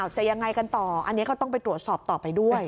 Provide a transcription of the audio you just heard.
จะยังไงกันต่ออันนี้ก็ต้องไปตรวจสอบต่อไปด้วย